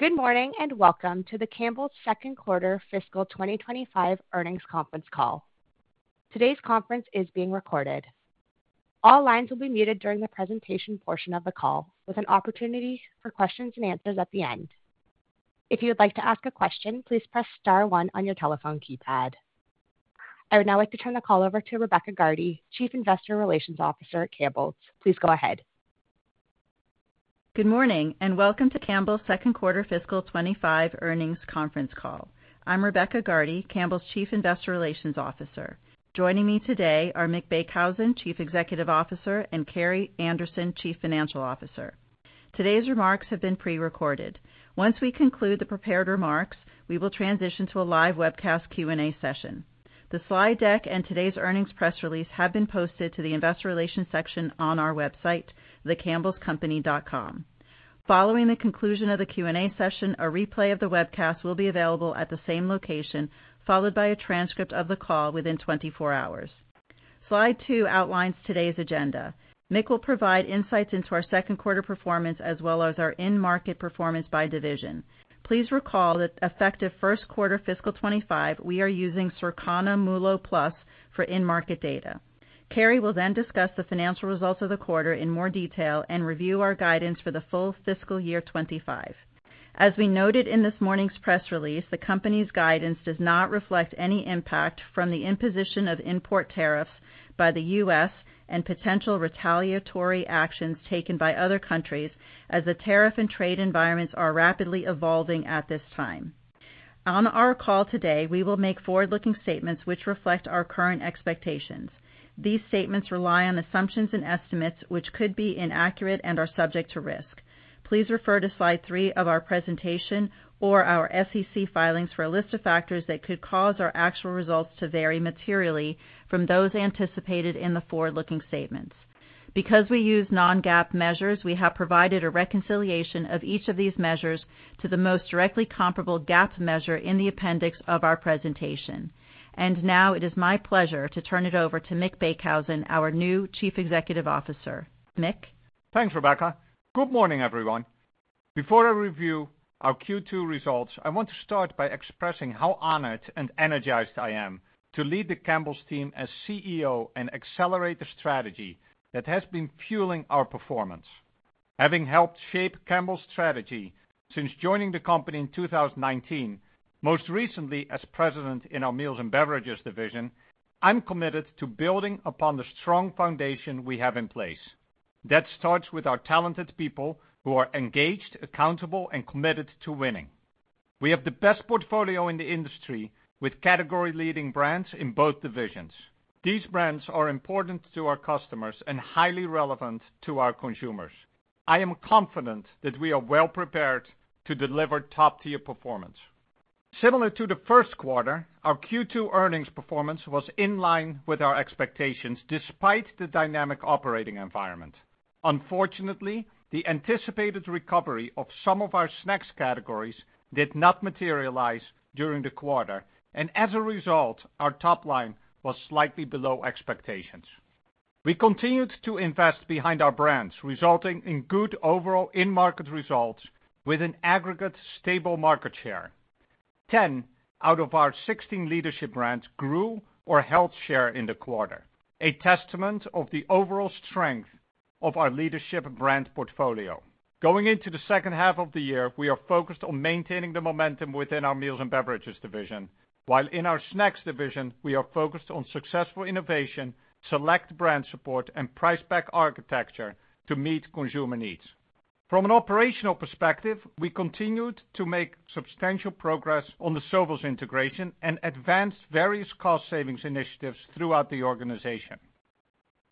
Good morning and welcome to the Campbell's Q2 Fiscal 2025 Earnings Conference Call. Today's conference is being recorded. All lines will be muted during the presentation portion of the call, with an opportunity for questions and answers at the end. If you would like to ask a question, please press star one on your telephone keypad. I would now like to turn the call over to Rebecca Gardy, Chief Investor Relations Officer at Campbell's. Please go ahead. Good morning and welcome to Campbell's Q2 Fiscal 2025 Earnings Conference call. I'm Rebecca Gardy, Campbell's Chief Investor Relations Officer. Joining me today are Mick Beekhuizen, Chief Executive Officer, and Carrie Anderson, Chief Financial Officer. Today's remarks have been pre-recorded. Once we conclude the prepared remarks, we will transition to a live webcast Q&A session. The slide deck and today's earnings press release have been posted to the Investor Relations section on our website, thecampbellscompany.com. Following the conclusion of the Q&A session, a replay of the webcast will be available at the same location, followed by a transcript of the call within 24 hours. Slide two outlines today's agenda. Mick will provide insights into our Q2 performance as well as our in-market performance by division. Please recall that effective Q1 Fiscal 2025, we are using Circana MULO+ for in-market data. Carrie will then discuss the financial results of the quarter in more detail and review our guidance for the full fiscal year 2025. As we noted in this morning's press release, the company's guidance does not reflect any impact from the imposition of import tariffs by the U.S. and potential retaliatory actions taken by other countries, as the tariff and trade environments are rapidly evolving at this time. On our call today, we will make forward-looking statements which reflect our current expectations. These statements rely on assumptions and estimates which could be inaccurate and are subject to risk. Please refer to slide three of our presentation or our SEC filings for a list of factors that could cause our actual results to vary materially from those anticipated in the forward-looking statements. Because we use non-GAAP measures, we have provided a reconciliation of each of these measures to the most directly comparable GAAP measure in the appendix of our presentation. And now it is my pleasure to turn it over to Mick Beekhuizen, our new Chief Executive Officer. Mick. Thanks, Rebecca. Good morning, everyone. Before I review our Q2 results, I want to start by expressing how honored and energized I am to lead the Campbell's team as CEO and accelerate the strategy that has been fueling our performance. Having helped shape Campbell's strategy since joining the company in 2019, most recently as president in our Meals and Beverages division, I'm committed to building upon the strong foundation we have in place. That starts with our talented people who are engaged, accountable, and committed to winning. We have the best portfolio in the industry with category-leading brands in both divisions. These brands are important to our customers and highly relevant to our consumers. I am confident that we are well prepared to deliver top-tier performance. Similar to the Q1, our Q2 earnings performance was in line with our expectations despite the dynamic operating environment. Unfortunately, the anticipated recovery of some of our snacks categories did not materialize during the quarter, and as a result, our top line was slightly below expectations. We continued to invest behind our brands, resulting in good overall in-market results with an aggregate stable market share. Ten out of our 16 leadership brands grew or held share in the quarter, a testament to the overall strength of our leadership brand portfolio. Going into the second half of the year, we are focused on maintaining the momentum within our Meals and Beverages division, while in our Snacks division, we are focused on successful innovation, select brand support, and price-pack architecture to meet consumer needs. From an operational perspective, we continued to make substantial progress on the service integration and advanced various cost-savings initiatives throughout the organization.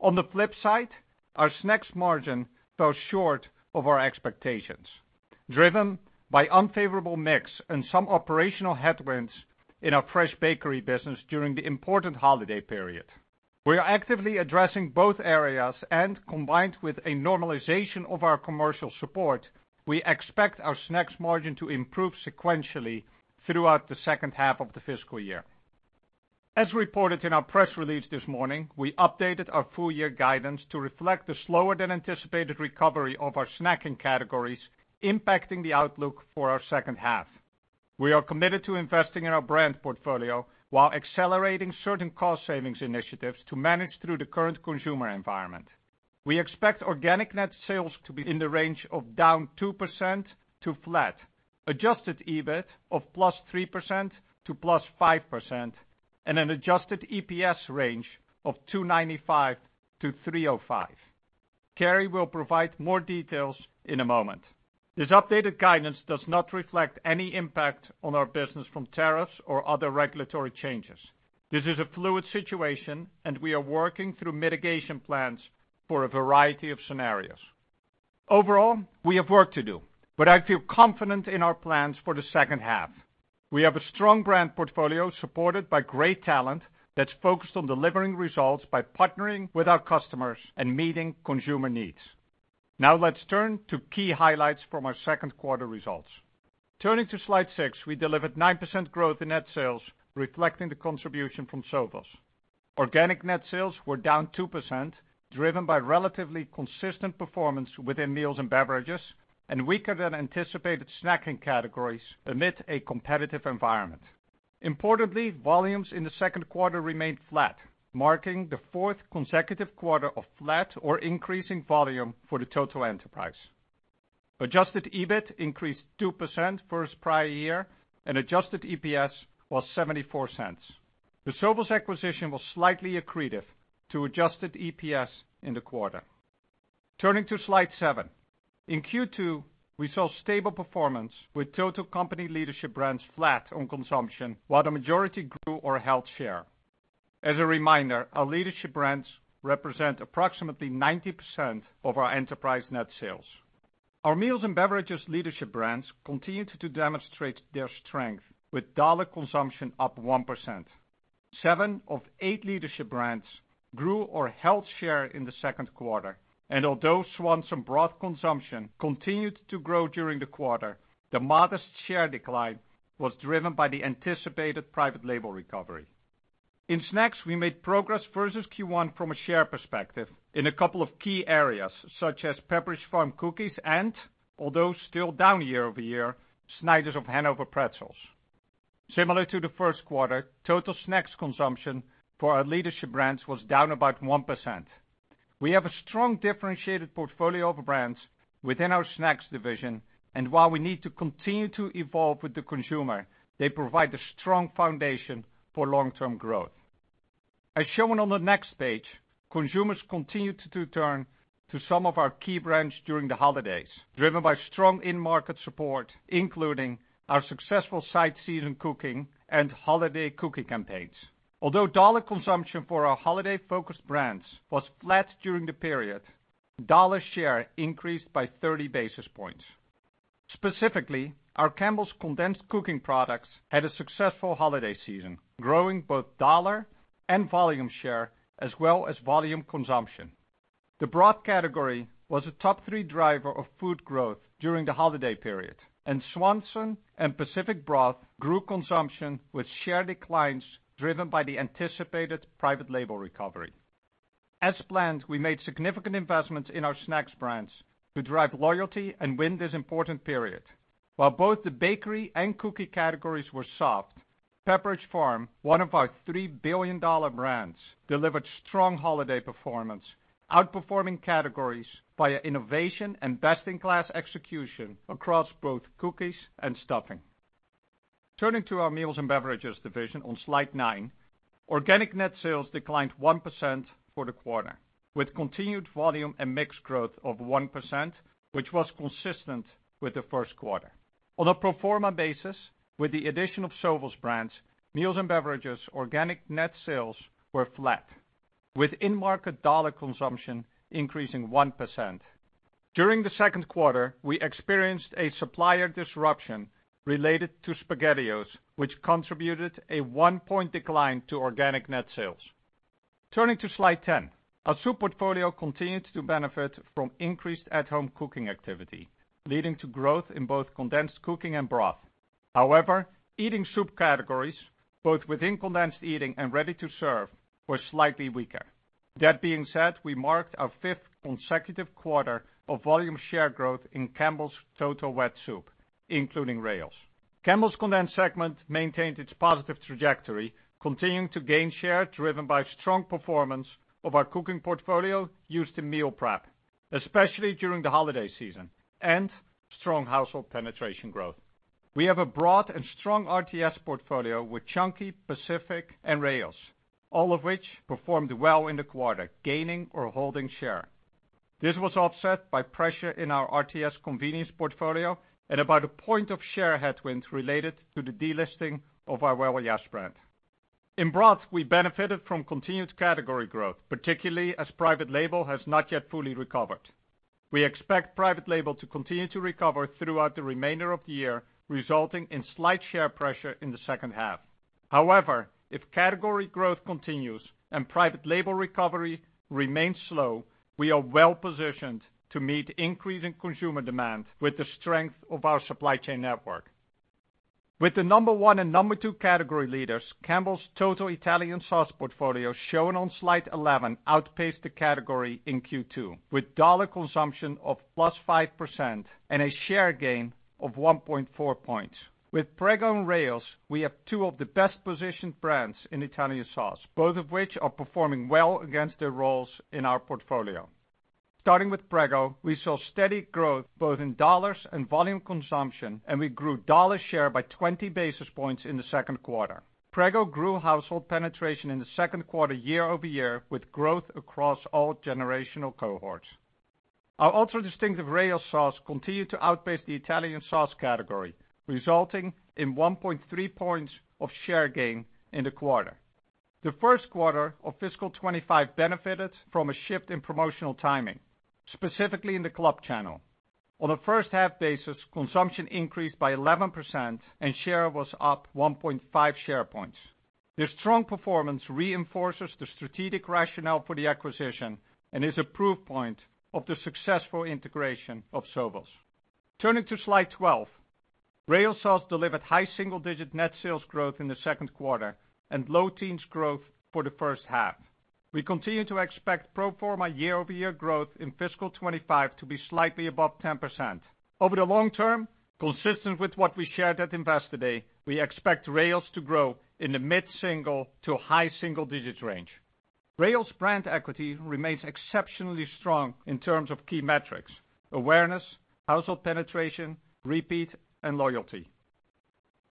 On the flip side, our Snacks margin fell short of our expectations, driven by unfavorable mix and some operational headwinds in our fresh bakery business during the important holiday period. We are actively addressing both areas, and combined with a normalization of our commercial support, we expect our Snacks margin to improve sequentially throughout the second half of the fiscal year. As reported in our press release this morning, we updated our full-year guidance to reflect the slower-than-anticipated recovery of our snacking categories, impacting the outlook for our second half. We are committed to investing in our brand portfolio while accelerating certain cost-savings initiatives to manage through the current consumer environment. We expect organic net sales to be in the range of down 2% to flat, adjusted EBIT of +3% to +5%, and an adjusted EPS range of $2.95 to 3.05. Carrie will provide more details in a moment. This updated guidance does not reflect any impact on our business from tariffs or other regulatory changes. This is a fluid situation, and we are working through mitigation plans for a variety of scenarios. Overall, we have work to do, but I feel confident in our plans for the second half. We have a strong brand portfolio supported by great talent that's focused on delivering results by partnering with our customers and meeting consumer needs. Now let's turn to key highlights from our Q2 results. Turning to slide six, we delivered 9% growth in net sales, reflecting the contribution from Sovos. Organic net sales were down 2%, driven by relatively consistent performance within Meals and Beverages and weaker than anticipated snacking categories amid a competitive environment. Importantly, volumes in Q2 remained flat, marking the fourth consecutive quarter of flat or increasing volume for the total enterprise. adjusted EBIT increased 2% for its prior year, and adjusted EPS was $0.74. The Sovos acquisition was slightly accretive to adjusted EPS in the quarter. Turning to slide seven, in Q2, we saw stable performance with total company leadership brands flat on consumption, while the majority grew or held share. As a reminder, our leadership brands represent approximately 90% of our enterprise net sales. Our Meals and Beverages leadership brands continued to demonstrate their strength, with dollar consumption up 1%. Seven of eight leadership brands grew or held share in Q2, and although Swanson broth consumption continued to grow during the quarter, the modest share decline was driven by the anticipated private label recovery. In snacks, we made progress versus Q1 from a share perspective in a couple of key areas, such as Pepperidge Farm cookies and, although still down year-over-year, Snyder's of Hanover pretzels. Similar to Q1, total snacks consumption for our leadership brands was down about 1%. We have a strong differentiated portfolio of brands within our Snacks division, and while we need to continue to evolve with the consumer, they provide a strong foundation for long-term growth. As shown on the next page, consumers continued to turn to some of our key brands during the holidays, driven by strong in-market support, including our successful side season cooking and holiday cooking campaigns. Although dollar consumption for our holiday-focused brands was flat during the period, dollar share increased by 30 basis points. Specifically, our Campbell's condensed cooking products had a successful holiday season, growing both dollar and volume share, as well as volume consumption. The broth category was a top-three driver of food growth during the holiday period, and Swanson and Pacific broth grew consumption with share declines driven by the anticipated private label recovery. As planned, we made significant investments in our snacks brands to drive loyalty and win this important period. While both the bakery and cookie categories were soft, Pepperidge Farm, one of our $3 billion brands, delivered strong holiday performance, outperforming categories via innovation and best-in-class execution across both cookies and stuffing. Turning to our Meals and Beverages division on slide nine, organic net sales declined 1% for the quarter, with continued volume and mixed growth of 1%, which was consistent with Q1. On a pro forma basis, with the addition of Sovos Brands, Meals and Beverages' organic net sales were flat, with in-market dollar consumption increasing 1%. During Q2, we experienced a supplier disruption related to SpaghettiOs, which contributed a one-point decline to organic net sales. Turning to slide 10, our soup portfolio continued to benefit from increased at-home cooking activity, leading to growth in both condensed cooking and broth. However, eating soup categories, both within condensed eating and ready-to-serve, were slightly weaker. That being said, we marked our fifth consecutive quarter of volume share growth in Campbell's total wet soup, including Rao's. Campbell's condensed segment maintained its positive trajectory, continuing to gain share driven by strong performance of our cooking portfolio used in meal prep, especially during the holiday season, and strong household penetration growth. We have a broad and strong RTS portfolio with Chunky, Pacific, and Rao's, all of which performed well in the quarter, gaining or holding share. This was offset by pressure in our RTS convenience portfolio and about a point of share headwind related to the delisting of our Well Yes! brand. In broth, we benefited from continued category growth, particularly as private label has not yet fully recovered. We expect private label to continue to recover throughout the remainder of the year, resulting in slight share pressure in the second half. However, if category growth continues and private label recovery remains slow, we are well positioned to meet increasing consumer demand with the strength of our supply chain network. With the number one and number two category leaders, Campbell's total Italian sauce portfolio shown on slide 11 outpaced the category in Q2, with dollar consumption of plus 5% and a share gain of 1.4 points. With Prego and Rao's, we have two of the best-positioned brands in Italian sauce, both of which are performing well against their roles in our portfolio. Starting with Prego, we saw steady growth both in dollars and volume consumption, and we grew dollar share by 20 basis points in Q2. Prego grew household penetration in Q2 year-over-year, with growth across all generational cohorts. Our ultra-distinctive Rao's sauce continued to outpace the Italian sauce category, resulting in 1.3 points of share gain in the quarter. Q1 of fiscal 2025 benefited from a shift in promotional timing, specifically in the club channel. On a first-half basis, consumption increased by 11% and share was up 1.5 share points. Their strong performance reinforces the strategic rationale for the acquisition and is a proof point of the successful integration of Sovos. Turning to slide 12, Rao's sauce delivered high single-digit net sales growth in Q2 and low teens growth for the first half. We continue to expect pro forma year-over-year growth in fiscal 2025 to be slightly above 10%. Over the long term, consistent with what we shared at Investor Day, we expect Rao's to grow in the mid-single to high single-digit range. Rao's brand equity remains exceptionally strong in terms of key metrics: awareness, household penetration, repeat, and loyalty.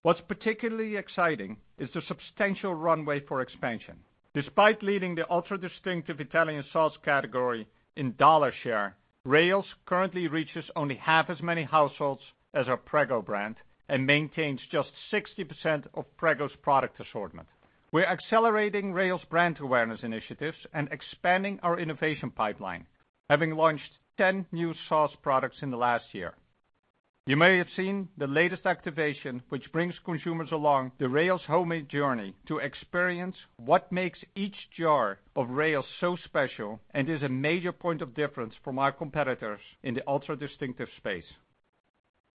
What's particularly exciting is the substantial runway for expansion. Despite leading the ultra-distinctive Italian sauce category in dollar share, Rao's currently reaches only half as many households as our Prego brand and maintains just 60% of Prego's product assortment. We're accelerating Rao's brand awareness initiatives and expanding our innovation pipeline, having launched 10 new sauce products in the last year. You may have seen the latest activation, which brings consumers along the Rao's homemade journey to experience what makes each jar of Rao's so special and is a major point of difference from our competitors in the ultra-distinctive space.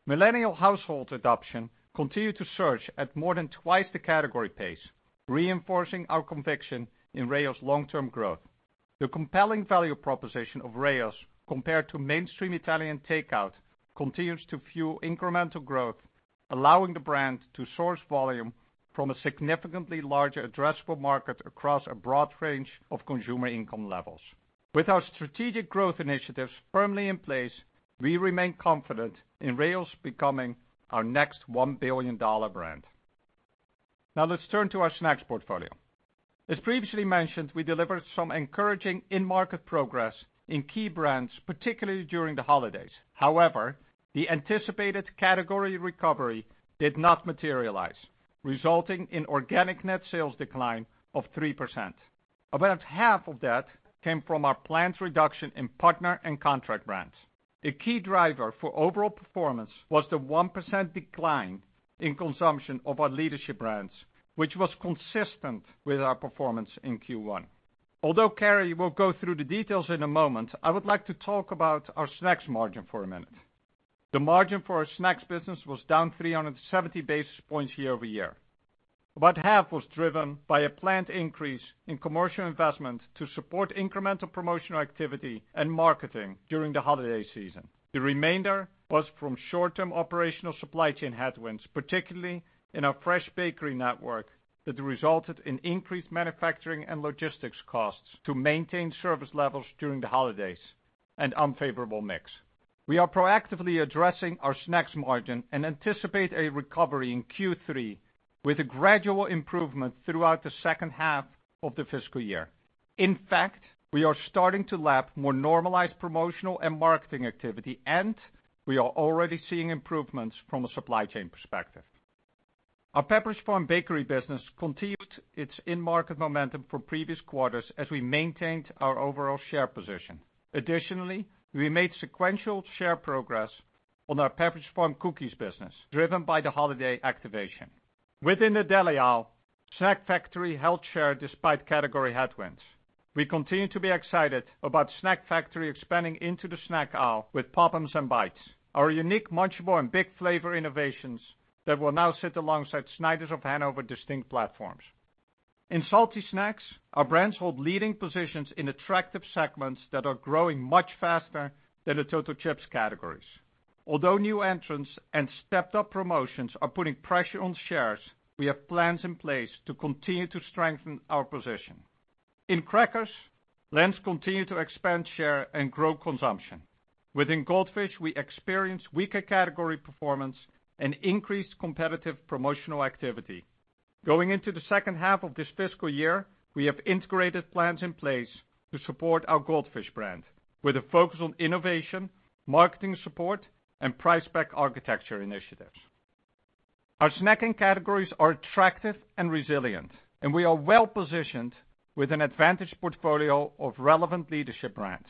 Millennial household adoption continued to surge at more than twice the category pace, reinforcing our conviction in Rao's long-term growth. The compelling value proposition of Rao's, compared to mainstream Italian takeout, continues to fuel incremental growth, allowing the brand to source volume from a significantly larger addressable market across a broad range of consumer income levels. With our strategic growth initiatives firmly in place, we remain confident in Rao's becoming our next $1 billion brand. Now let's turn to our Snacks portfolio. As previously mentioned, we delivered some encouraging in-market progress in key brands, particularly during the holidays. However, the anticipated category recovery did not materialize, resulting in organic net sales decline of 3%. About half of that came from our planned reduction in partner and contract brands. A key driver for overall performance was the 1% decline in consumption of our leadership brands, which was consistent with our performance in Q1. Although Carrie will go through the details in a moment, I would like to talk about our Snacks margin for a minute. The margin for our Snacks business was down 370 basis points year-over-year. About half was driven by a planned increase in commercial investment to support incremental promotional activity and marketing during the holiday season. The remainder was from short-term operational supply chain headwinds, particularly in our fresh bakery network, that resulted in increased manufacturing and logistics costs to maintain service levels during the holidays and unfavorable mix. We are proactively addressing our Snacks margin and anticipate a recovery in Q3 with a gradual improvement throughout the second half of the fiscal year. In fact, we are starting to lap more normalized promotional and marketing activity, and we are already seeing improvements from a supply chain perspective. Our Pepperidge Farm bakery business continued its in-market momentum from previous quarters as we maintained our overall share position. Additionally, we made sequential share progress on our Pepperidge Farm cookies business, driven by the holiday activation. Within the deli aisle, Snack Factory held share despite category headwinds. We continue to be excited about Snack Factory expanding into the snack aisle with Pop'ems and Bites, our unique munchable and big flavor innovations that will now sit alongside Snyder's of Hanover distinct platforms. In salty snacks, our brands hold leading positions in attractive segments that are growing much faster than the total chips categories. Although new entrants and stepped-up promotions are putting pressure on shares, we have plans in place to continue to strengthen our position. In crackers, Lance continued to expand share and grow consumption. Within Goldfish, we experienced weaker category performance and increased competitive promotional activity. Going into the second half of this fiscal year, we have integrated plans in place to support our Goldfish brand, with a focus on innovation, marketing support, and price-pack architecture initiatives. Our snacking categories are attractive and resilient, and we are well positioned with an advantage portfolio of relevant leadership brands.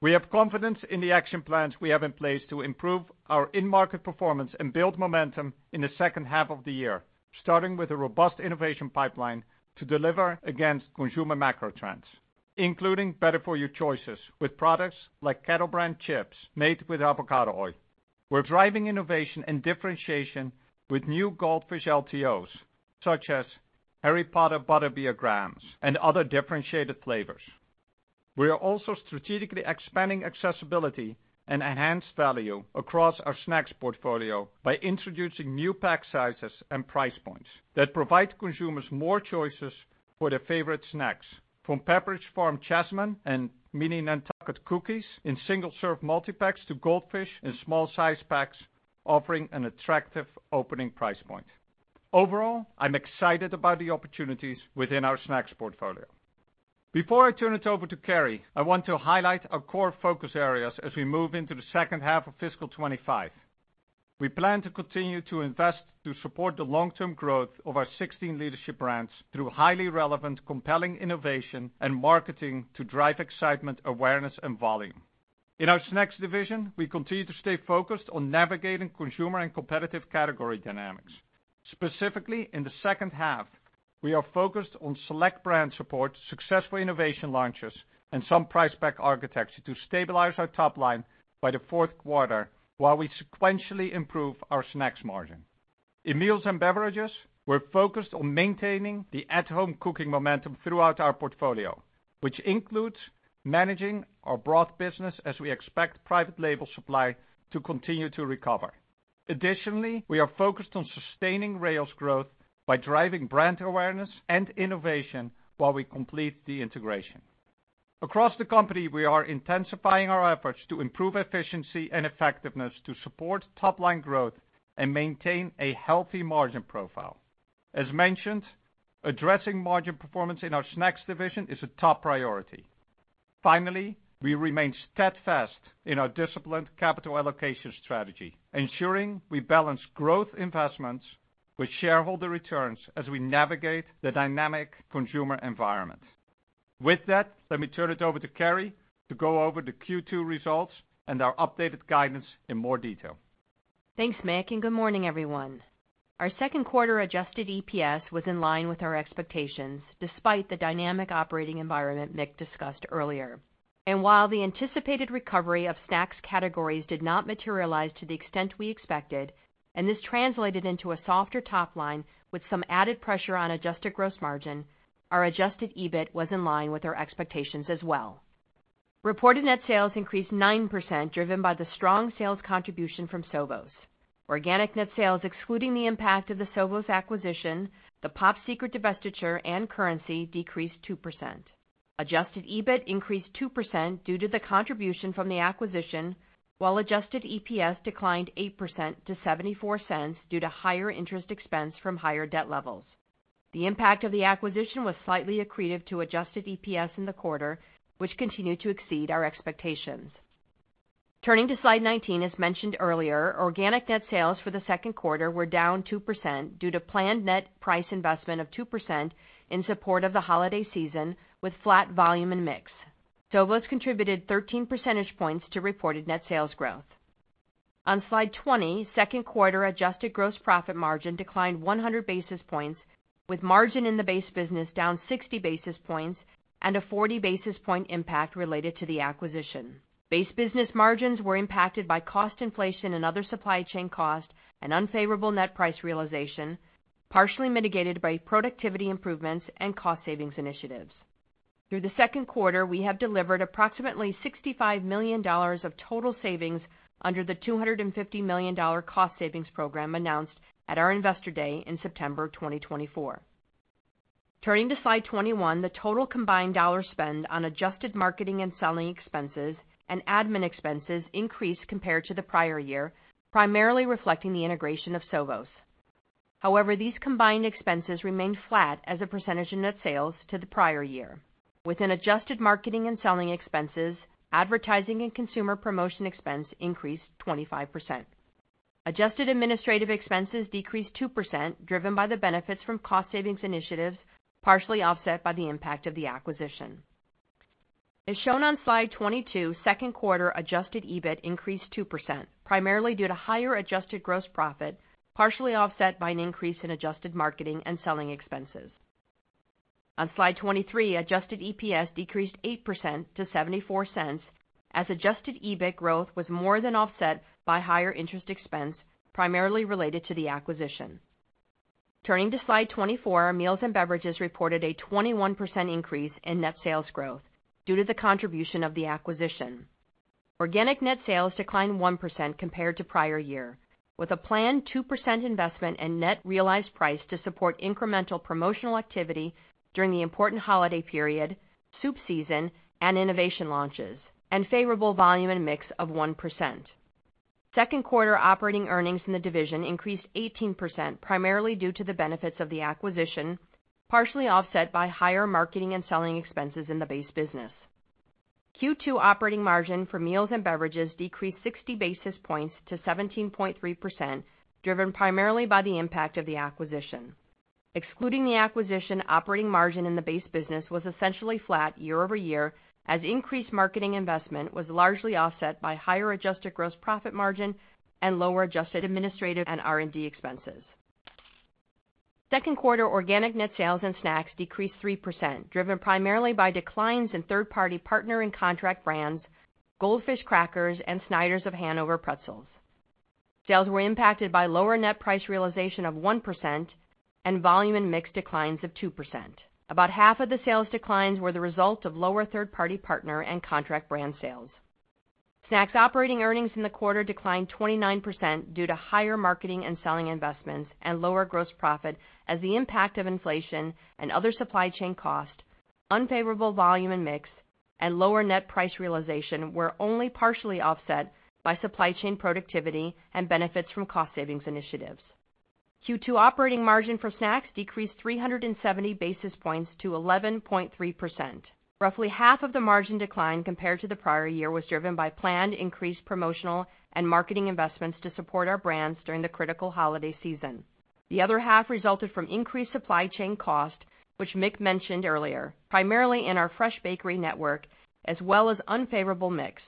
We have confidence in the action plans we have in place to improve our in-market performance and build momentum in the second half of the year, starting with a robust innovation pipeline to deliver against consumer macro trends, including better-for-you choices with products like Kettle Brand chips made with avocado oil. We're driving innovation and differentiation with new Goldfish LTOs, such as Harry Potter Butterbeer Grahams and other differentiated flavors. We are also strategically expanding accessibility and enhanced value across our Snacks portfolio by introducing new pack sizes and price points that provide consumers more choices for their favorite snacks, from Pepperidge Farm Chessmen and Mini Nantucket cookies in single-serve multi-packs to Goldfish in small-size packs, offering an attractive opening price point. Overall, I'm excited about the opportunities within our Snacks portfolio. Before I turn it over to Carrie, I want to highlight our core focus areas as we move into the second half of Fiscal 2025. We plan to continue to invest to support the long-term growth of our 16 leadership brands through highly relevant, compelling innovation and marketing to drive excitement, awareness, and volume. In our Snacks division, we continue to stay focused on navigating consumer and competitive category dynamics. Specifically, in the second half, we are focused on select brand support, successful innovation launches, and some price-pack architecture to stabilize our top line by Q4, while we sequentially improve our Snacks margin. In Meals and Beverages, we're focused on maintaining the at-home cooking momentum throughout our portfolio, which includes managing our broth business as we expect private label supply to continue to recover. Additionally, we are focused on sustaining Rao's growth by driving brand awareness and innovation while we complete the integration. Across the company, we are intensifying our efforts to improve efficiency and effectiveness to support top-line growth and maintain a healthy margin profile. As mentioned, addressing margin performance in our Snacks division is a top priority. Finally, we remain steadfast in our disciplined capital allocation strategy, ensuring we balance growth investments with shareholder returns as we navigate the dynamic consumer environment. With that, let me turn it over to Carrie to go over Q2 results and our updated guidance in more detail. Thanks, Mick, and good morning, everyone. Our Q2 adjusted EPS was in line with our expectations despite the dynamic operating environment Mick discussed earlier. And while the anticipated recovery of snacks categories did not materialize to the extent we expected, and this translated into a softer top line with some added pressure on adjusted gross margin, our adjusted EBIT was in line with our expectations as well. Reported net sales increased 9%, driven by the strong sales contribution from Sovos. Organic net sales, excluding the impact of the Sovos acquisition, the Pop Secret divestiture, and currency decreased 2%. adjusted EBIT increased 2% due to the contribution from the acquisition, while adjusted EPS declined 8% to $0.74 due to higher interest expense from higher debt levels. The impact of the acquisition was slightly accretive to adjusted EPS in the quarter, which continued to exceed our expectations. Turning to slide 19, as mentioned earlier, organic net sales for Q2 were down 2% due to planned net price investment of 2% in support of the holiday season with flat volume and mix. Sovos contributed 13 percentage points to reported net sales growth. On slide 20, Q2 adjusted gross profit margin declined 100 basis points, with margin in the base business down 60 basis points and a 40-basis-point impact related to the acquisition. Base business margins were impacted by cost inflation and other supply chain costs and unfavorable net price realization, partially mitigated by productivity improvements and cost savings initiatives. Through Q2, we have delivered approximately $65 million of total savings under the $250 million cost savings program announced at our investor day in September 2024. Turning to slide 21, the total combined dollar spend on adjusted marketing and selling expenses and admin expenses increased compared to the prior year, primarily reflecting the integration of Sovos. However, these combined expenses remained flat as a percentage of net sales to the prior year. Within adjusted marketing and selling expenses, advertising and consumer promotion expense increased 25%. Adjusted administrative expenses decreased 2%, driven by the benefits from cost savings initiatives, partially offset by the impact of the acquisition. As shown on slide 22, Q2 adjusted EBIT increased 2%, primarily due to higher adjusted gross profit, partially offset by an increase in adjusted marketing and selling expenses. On slide 23, adjusted EPS decreased 8% to $0.74 as adjusted EBIT growth was more than offset by higher interest expense, primarily related to the acquisition. Turning to slide 24, Meals and Beverages reported a 21% increase in net sales growth due to the contribution of the acquisition. Organic net sales declined 1% compared to prior year, with a planned 2% investment and net realized price to support incremental promotional activity during the important holiday period, soup season, and innovation launches, and favorable volume and mix of 1%. Q2 operating earnings in the division increased 18%, primarily due to the benefits of the acquisition, partially offset by higher marketing and selling expenses in the base business. Q2 operating margin for Meals and Beverages decreased 60 basis points to 17.3%, driven primarily by the impact of the acquisition. Excluding the acquisition, operating margin in the base business was essentially flat year-over-year as increased marketing investment was largely offset by higher adjusted gross profit margin and lower adjusted administrative and R&D expenses. Q2 organic net sales and snacks decreased 3%, driven primarily by declines in third-party partner and contract brands, Goldfish Crackers, and Snyder's of Hanover pretzels. Sales were impacted by lower net price realization of 1% and volume and mix declines of 2%. About half of the sales declines were the result of lower third-party partner and contract brand sales. Snacks operating earnings in the quarter declined 29% due to higher marketing and selling investments and lower gross profit as the impact of inflation and other supply chain costs, unfavorable volume and mix, and lower net price realization were only partially offset by supply chain productivity and benefits from cost savings initiatives. Q2 operating margin for Snacks decreased 370 basis points to 11.3%. Roughly half of the margin decline compared to the prior year was driven by planned increased promotional and marketing investments to support our brands during the critical holiday season. The other half resulted from increased supply chain costs, which Mick mentioned earlier, primarily in our fresh bakery network, as well as unfavorable mix.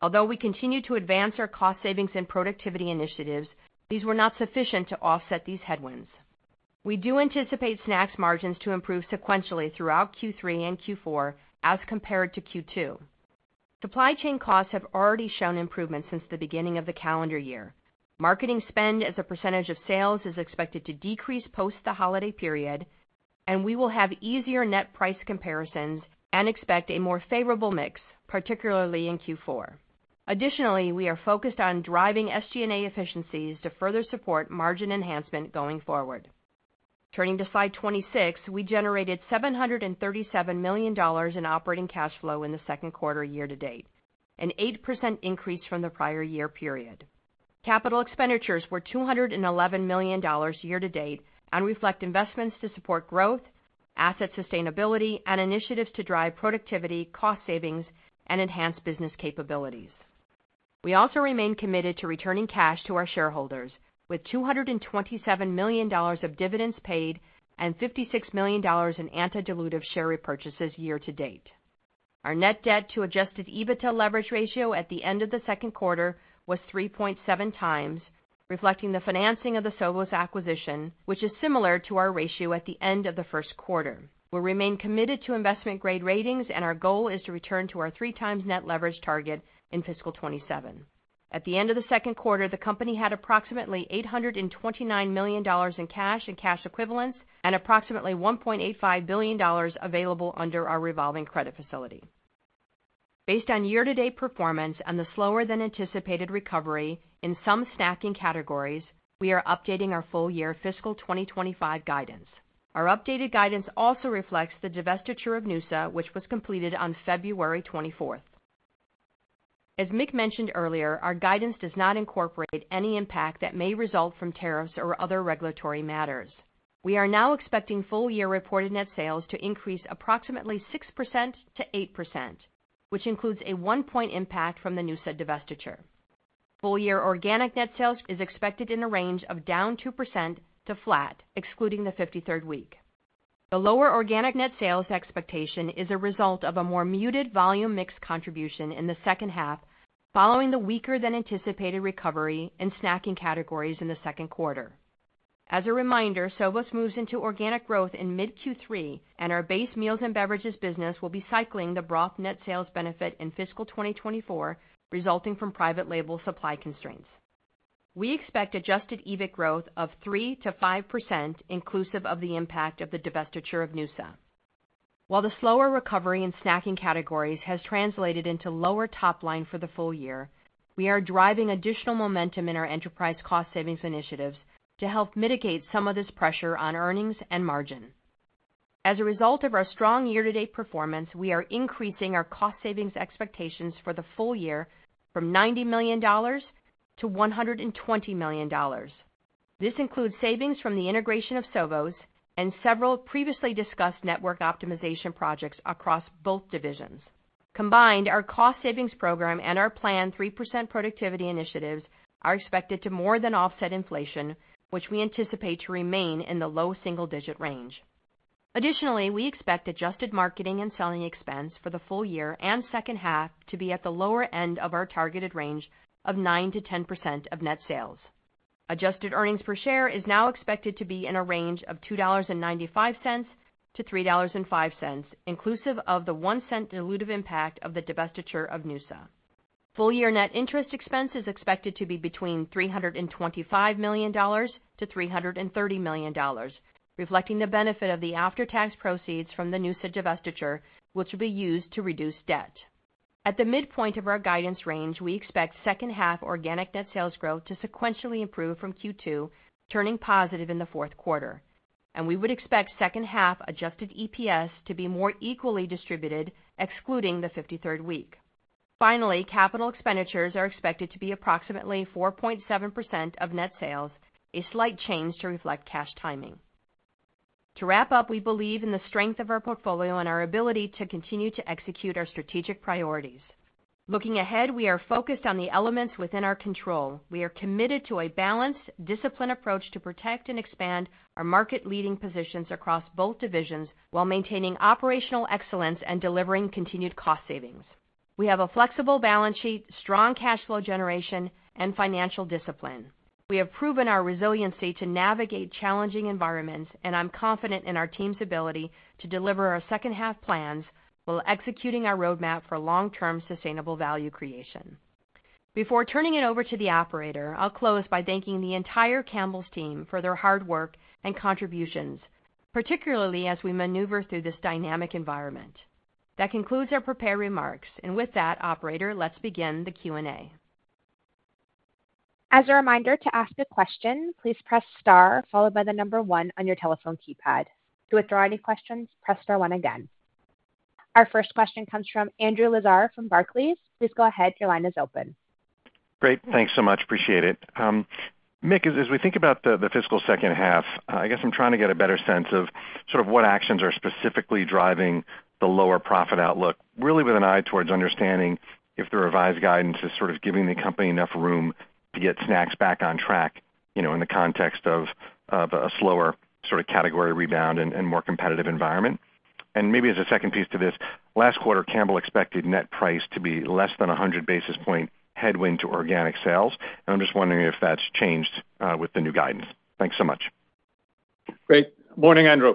Although we continue to advance our cost savings and productivity initiatives, these were not sufficient to offset these headwinds. We do anticipate Snacks margins to improve sequentially throughout Q3 and Q4 as compared to Q2. Supply chain costs have already shown improvements since the beginning of the calendar year. Marketing spend as a percentage of sales is expected to decrease post the holiday period, and we will have easier net price comparisons and expect a more favorable mix, particularly in Q4. Additionally, we are focused on driving SG&A efficiencies to further support margin enhancement going forward. Turning to slide 26, we generated $737 million in operating cash flow in the Q2 year to date, an 8% increase from the prior year period. Capital expenditures were $211 million year to date and reflect investments to support growth, asset sustainability, and initiatives to drive productivity, cost savings, and enhanced business capabilities. We also remain committed to returning cash to our shareholders, with $227 million of dividends paid and $56 million in non-dilutive share repurchases year to date. Our net debt to adjusted EBITDA leverage ratio at the end of the Q2 was 3.7 times, reflecting the financing of the Sovos acquisition, which is similar to our ratio at the end of Q1. We'll remain committed to investment-grade ratings, and our goal is to return to our three-times net leverage target in fiscal 2027. At the end of Q2, the company had approximately $829 million in cash and cash equivalents and approximately $1.85 billion available under our revolving credit facility. Based on year-to-date performance and the slower-than-anticipated recovery in some snacking categories, we are updating our full-year fiscal 2025 guidance. Our updated guidance also reflects the divestiture of Noosa, which was completed on 24 February. As Mick mentioned earlier, our guidance does not incorporate any impact that may result from tariffs or other regulatory matters. We are now expecting full-year reported net sales to increase approximately 6%-8%, which includes a one-point impact from the Noosa divestiture. Full-year organic net sales is expected in the range of down 2% to flat, excluding the 53rd week. The lower organic net sales expectation is a result of a more muted volume-mix contribution in the second half, following the weaker-than-anticipated recovery in snacking categories in Q2. As a reminder, Sovos moves into organic growth in mid-Q3, and our base Meals and Beverages business will be cycling the broth net sales benefit in fiscal 2024, resulting from private label supply constraints. We expect adjusted EBIT growth of 3%-5%, inclusive of the impact of the divestiture of Noosa. While the slower recovery in snacking categories has translated into lower top line for the full year, we are driving additional momentum in our enterprise cost savings initiatives to help mitigate some of this pressure on earnings and margin. As a result of our strong year-to-date performance, we are increasing our cost savings expectations for the full year from $90 to 120 million. This includes savings from the integration of Sovos and several previously discussed network optimization projects across both divisions. Combined, our cost savings program and our planned 3% productivity initiatives are expected to more than offset inflation, which we anticipate to remain in the low single-digit range. Additionally, we expect adjusted marketing and selling expense for the full year and second half to be at the lower end of our targeted range of 9%-10% of net sales. Adjusted earnings per share is now expected to be in a range of $2.95 to 3.05, inclusive of the $0.01 dilutive impact of the divestiture of Noosa. Full-year net interest expense is expected to be between $325 to 330 million, reflecting the benefit of the after-tax proceeds from the Noosa divestiture, which will be used to reduce debt. At the midpoint of our guidance range, we expect second half organic net sales growth to sequentially improve from Q2, turning positive in Q4. And we would expect second half adjusted EPS to be more equally distributed, excluding the 53rd week. Finally, capital expenditures are expected to be approximately 4.7% of net sales, a slight change to reflect cash timing. To wrap up, we believe in the strength of our portfolio and our ability to continue to execute our strategic priorities. Looking ahead, we are focused on the elements within our control. We are committed to a balanced, disciplined approach to protect and expand our market-leading positions across both divisions while maintaining operational excellence and delivering continued cost savings. We have a flexible balance sheet, strong cash flow generation, and financial discipline. We have proven our resiliency to navigate challenging environments, and I'm confident in our team's ability to deliver our second half plans while executing our roadmap for long-term sustainable value creation. Before turning it over to the operator, I'll close by thanking the entire Campbell's team for their hard work and contributions, particularly as we maneuver through this dynamic environment. That concludes our prepared remarks. And with that, operator, let's begin the Q&A. As a reminder to ask a question, please press star followed by the number one on your telephone keypad. To withdraw any questions, press star one again. Our first question comes from Andrew Lazar from Barclays. Please go ahead. Your line is open. Great. Thanks so much. Appreciate it. Mick, as we think about the fiscal second half, I guess I'm trying to get a better sense of sort of what actions are specifically driving the lower profit outlook, really with an eye towards understanding if the revised guidance is sort of giving the company enough room to get Snacks back on track in the context of a slower sort of category rebound and more competitive environment. And maybe as a second piece to this, last quarter, Campbell expected net price to be less than 100 basis point headwind to organic sales. And I'm just wondering if that's changed with the new guidance. Thanks so much. Great. Morning, Andrew.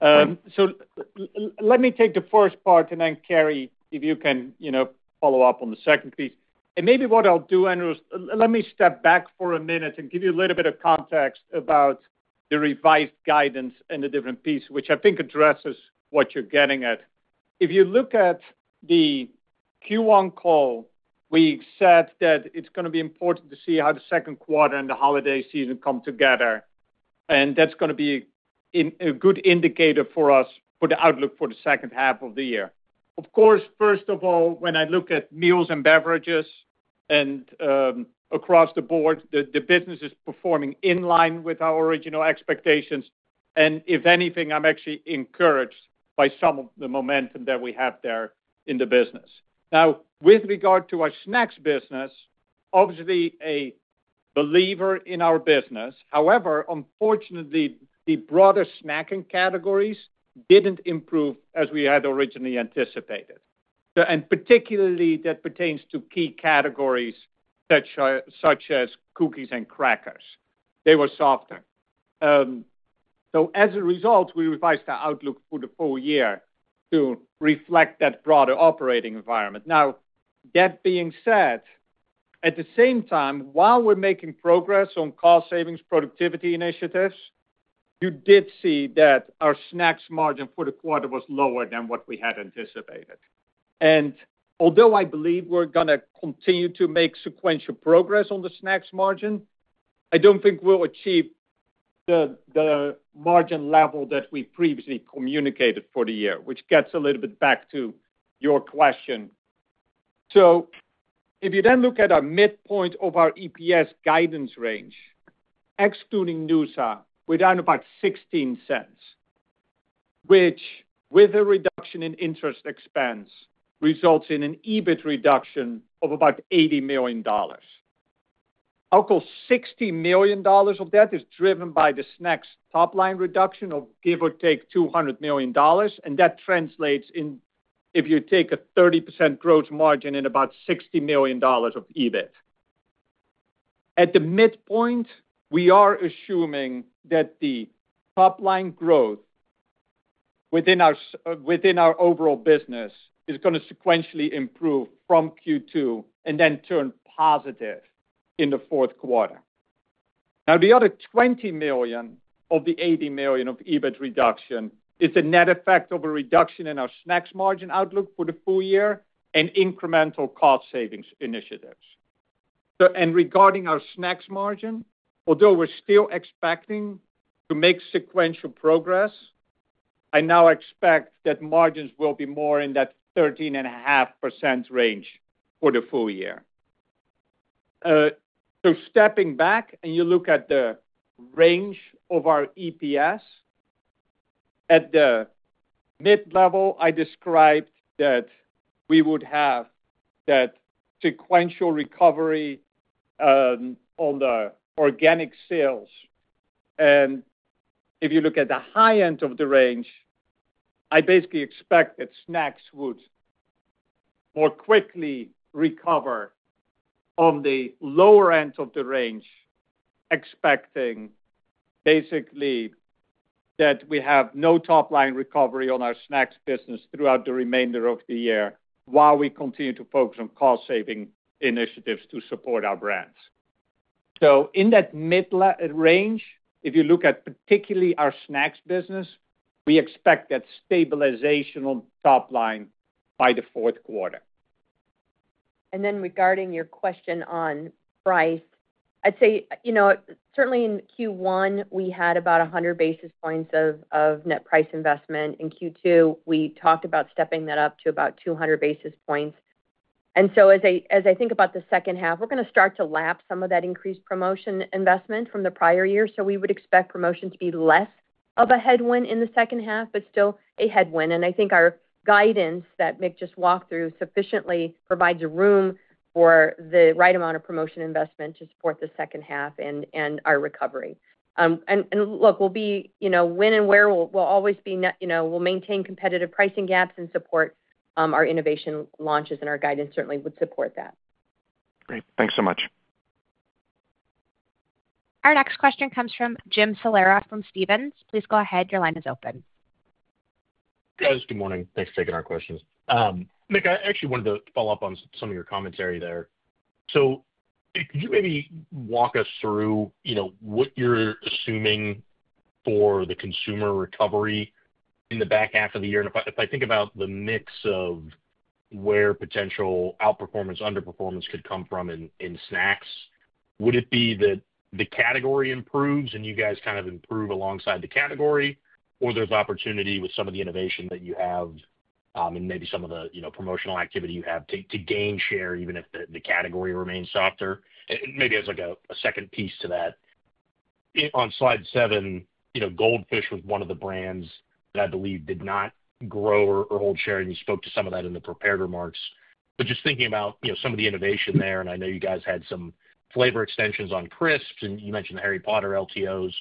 So let me take the first part and then Carrie, if you can follow up on the second piece. And maybe what I'll do, Andrew, is let me step back for a minute and give you a little bit of context about the revised guidance and the different piece, which I think addresses what you're getting at. If you look at the Q1 call, we said that it's going to be important to see how Q2 and the holiday season come together. And that's going to be a good indicator for us for the outlook for the second half of the year. Of course, first of all, when I look at Meals and Beverages and across the board, the business is performing in line with our original expectations. And if anything, I'm actually encouraged by some of the momentum that we have there in the business. Now, with regard to our Snacks business, obviously a believer in our business. However, unfortunately, the broader snacking categories didn't improve as we had originally anticipated, and particularly, that pertains to key categories such as cookies and crackers. They were softer, so as a result, we revised our outlook for the full year to reflect that broader operating environment. Now, that being said, at the same time, while we're making progress on cost savings productivity initiatives, you did see that our Snacks margin for the quarter was lower than what we had anticipated, and although I believe we're going to continue to make sequential progress on the Snacks margin, I don't think we'll achieve the margin level that we previously communicated for the year, which gets a little bit back to your question. So if you then look at our midpoint of our EPS guidance range, excluding Noosa, we're down about $0.16, which with a reduction in interest expense results in an EBIT reduction of about $80 million. I'll call $60 million of that is driven by the snacks top line reduction of give or take $200 million. And that translates in, if you take a 30% gross margin in about $60 million of EBIT. At the midpoint, we are assuming that the top line growth within our overall business is going to sequentially improve from Q2 and then turn positive in Q4. Now, the other $20 million of the $80 million of EBIT reduction is the net effect of a reduction in our Snacks margin outlook for the full year and incremental cost savings initiatives. Regarding our Snacks margin, although we're still expecting to make sequential progress, I now expect that margins will be more in that 13.5% range for the full year. Stepping back and you look at the range of our EPS, at the mid level, I described that we would have that sequential recovery on the organic sales. If you look at the high end of the range, I basically expect that snacks would more quickly recover on the lower end of the range, expecting basically that we have no top line recovery on our Snacks business throughout the remainder of the year while we continue to focus on cost saving initiatives to support our brands. In that mid range, if you look at particularly our Snacks business, we expect that stabilization on top line by Q4. And then regarding your question on price, I'd say certainly in Q1, we had about 100 basis points of net price investment. In Q2, we talked about stepping that up to about 200 basis points. And so as I think about the second half, we're going to start to lap some of that increased promotion investment from the prior year. So we would expect promotion to be less of a headwind in the second half, but still a headwind. And I think our guidance that Mick just walked through sufficiently provides room for the right amount of promotion investment to support the second half and our recovery. And look, we'll be winners. We'll always maintain competitive pricing gaps and support our innovation launches. And our guidance certainly would support that. Great. Thanks so much. Our next question comes from Jim Salera from Stephens. Please go ahead. Your line is open. Guys, good morning. Thanks for taking our questions. Mick, I actually wanted to follow up on some of your commentary there. So could you maybe walk us through what you're assuming for the consumer recovery in the back half of the year? And if I think about the mix of where potential outperformance, underperformance could come from in snacks, would it be that the category improves and you guys kind of improve alongside the category, or there's opportunity with some of the innovation that you have and maybe some of the promotional activity you have to gain share even if the category remains softer? Maybe as a second piece to that, on slide seven, Goldfish was one of the brands that I believe did not grow or hold share. And you spoke to some of that in the prepared remarks. But just thinking about some of the innovation there, and I know you guys had some flavor extensions on Crisps, and you mentioned the Harry Potter LTOs.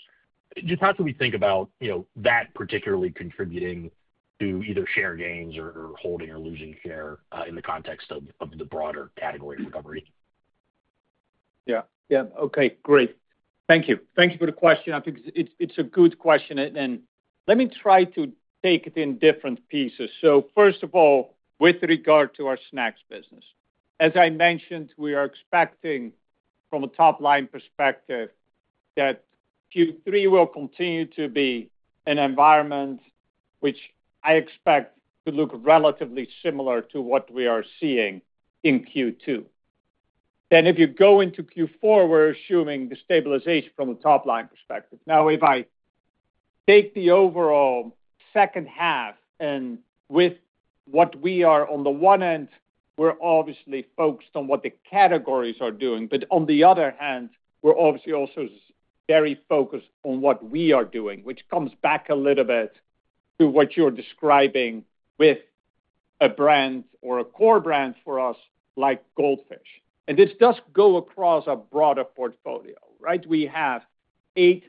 Just how should we think about that particularly contributing to either share gains or holding or losing share in the context of the broader category recovery? Yeah. Yeah. Okay. Great. Thank you. Thank you for the question. I think it's a good question. And let me try to take it in different pieces. So first of all, with regard to our Snacks business, as I mentioned, we are expecting from a top line perspective that Q3 will continue to be an environment which I expect to look relatively similar to what we are seeing in Q2. Then if you go into Q4, we're assuming the stabilization from a top line perspective. Now, if I take the overall second half and with what we are on the one end, we're obviously focused on what the categories are doing. But on the other hand, we're obviously also very focused on what we are doing, which comes back a little bit to what you're describing with a brand or a core brand for us like Goldfish. And this does go across a broader portfolio, right? We have eight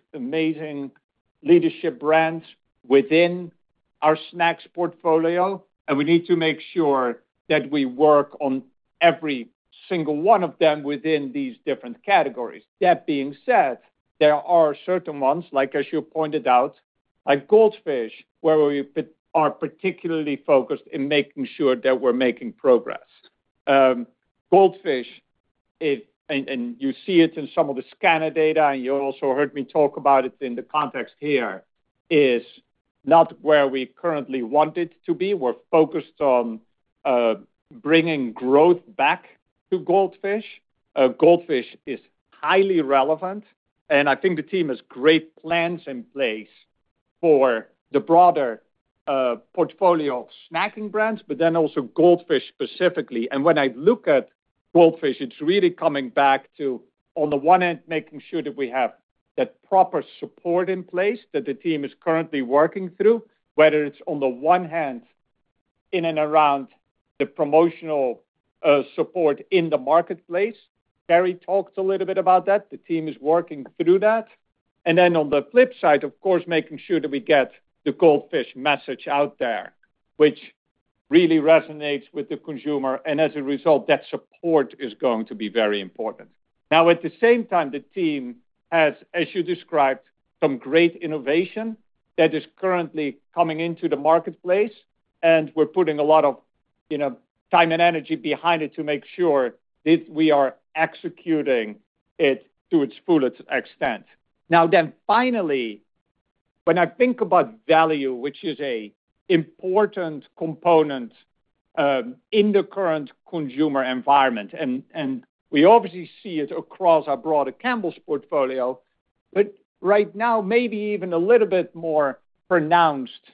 amazing leadership brands within our Snacks portfolio, and we need to make sure that we work on every single one of them within these different categories. That being said, there are certain ones, like as you pointed out, like Goldfish, where we are particularly focused in making sure that we're making progress. Goldfish, and you see it in some of the scanner data, and you also heard me talk about it in the context here, is not where we currently want it to be. We're focused on bringing growth back to Goldfish. Goldfish is highly relevant, and I think the team has great plans in place for the broader portfolio of snacking brands, but then also Goldfish specifically, and when I look at Goldfish, it's really coming back to, on the one end, making sure that we have that proper support in place that the team is currently working through, whether it's on the one hand in and around the promotional support in the marketplace, Carrie talked a little bit about that, the team is working through that, and then on the flip side, of course, making sure that we get the Goldfish message out there, which really resonates with the consumer. And as a result, that support is going to be very important. Now, at the same time, the team has, as you described, some great innovation that is currently coming into the marketplace, and we're putting a lot of time and energy behind it to make sure that we are executing it to its fullest extent. Now then, finally, when I think about value, which is an important component in the current consumer environment, and we obviously see it across our broader Campbell's portfolio, but right now, maybe even a little bit more pronounced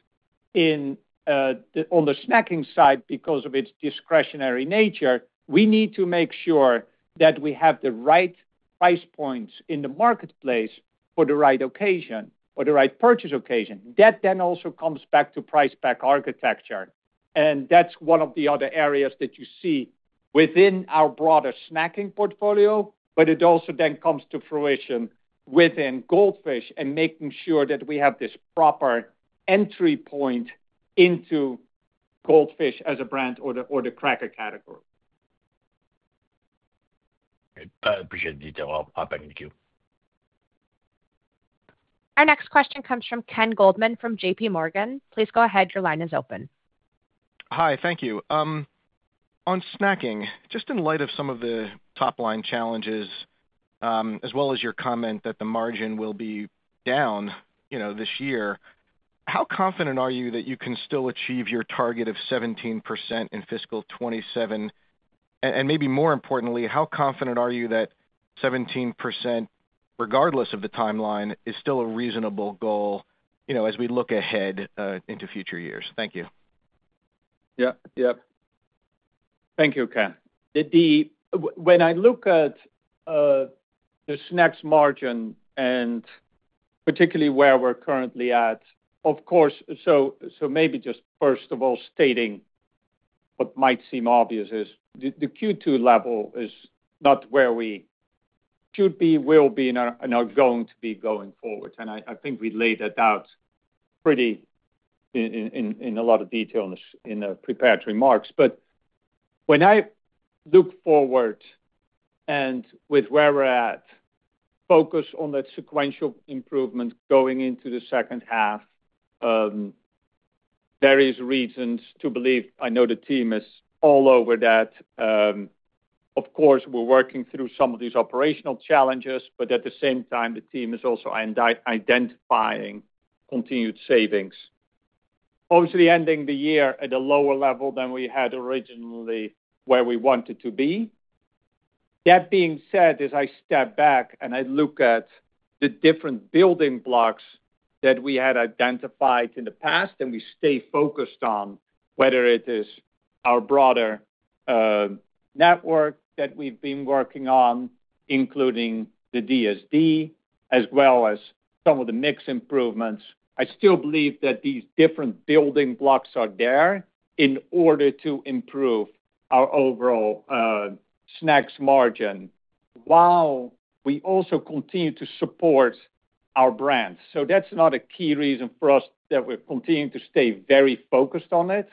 on the snacking side because of its discretionary nature, we need to make sure that we have the right price points in the marketplace for the right occasion, for the right purchase occasion. That then also comes back to price-pack architecture. And that's one of the other areas that you see within our broader snacking portfolio, but it also then comes to fruition within Goldfish and making sure that we have this proper entry point into Goldfish as a brand or the cracker category. I appreciate the detail. I'll back into Q. Our next question comes from Ken Goldman from JPMorgan. Please go ahead. Your line is open. Hi. Thank you. On snacking, just in light of some of the top line challenges, as well as your comment that the margin will be down this year, how confident are you that you can still achieve your target of 17% in fiscal 2027? And maybe more importantly, how confident are you that 17%, regardless of the timeline, is still a reasonable goal as we look ahead into future years? Thank you. Yeah. Yeah. Thank you, Ken. When I look at the Snacks margin and particularly where we're currently at, of course, so maybe just first of all, stating what might seem obvious is the Q2 level is not where we should be, will be, and are going to be going forward, and I think we laid that out pretty in a lot of detail in the prepared remarks, but when I look forward and with where we're at, focus on that sequential improvement going into the second half, there is reasons to believe. I know the team is all over that. Of course, we're working through some of these operational challenges, but at the same time, the team is also identifying continued savings, obviously ending the year at a lower level than we had originally where we wanted to be. That being said, as I step back and I look at the different building blocks that we had identified in the past, and we stay focused on whether it is our broader network that we've been working on, including the DSD, as well as some of the mix improvements, I still believe that these different building blocks are there in order to improve our overall Snacks margin while we also continue to support our brands. So that's not a key reason for us that we're continuing to stay very focused on it.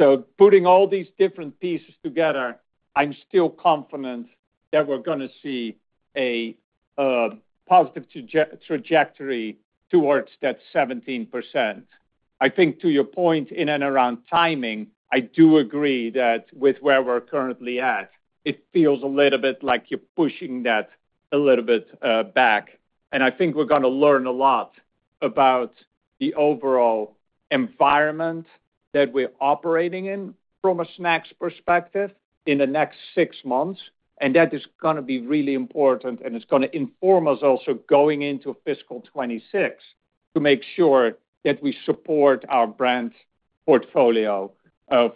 So putting all these different pieces together, I'm still confident that we're going to see a positive trajectory towards that 17%. I think to your point in and around timing, I do agree that with where we're currently at, it feels a little bit like you're pushing that a little bit back. I think we're going to learn a lot about the overall environment that we're operating in from a snacks perspective in the next six months. That is going to be really important, and it's going to inform us also going into fiscal 2026 to make sure that we support our brand portfolio